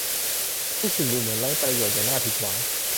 ทุกสิ่งดูเหมือนไร้ประโยชน์อย่างน่าผิดหวัง